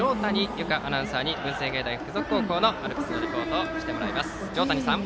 有香アナウンサーに文星芸大付属のアルプスのリポートをしてもらいます。